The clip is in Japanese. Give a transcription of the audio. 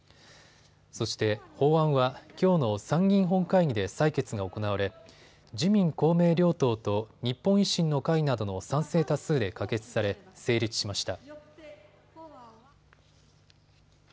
そして法案はきょうの参議院本会議で採決が行われ、自民公明両党と日本維新の会などの賛成多数で可決され成立しました。